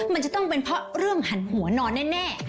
มันจะต้องเป็นเพราะเรื่องหันหัวนอนแน่